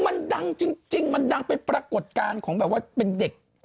มันดังจริงมันดังเป็นปรากฏการณ์ของแบบว่าเป็นเด็ก